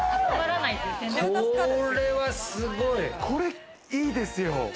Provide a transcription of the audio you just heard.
これいいですよ。